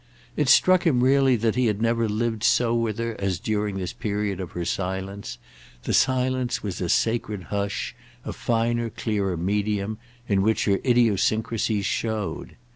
It struck him really that he had never so lived with her as during this period of her silence; the silence was a sacred hush, a finer clearer medium, in which her idiosyncrasies showed.